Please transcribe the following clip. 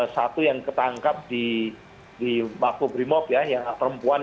hari ini yang ketangkap di inumaha agma exhaust